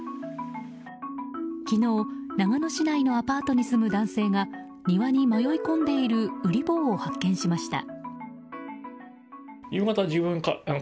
昨日、長野市内のアパートに住む男性が庭に迷い込んでいるウリ坊を発見しました。